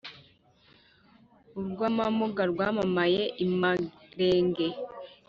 urw’amamuga rwamamaye i marenge!